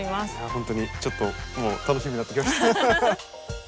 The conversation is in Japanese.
本当にちょっともう楽しみになってきました。